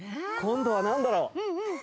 今度は何だろう？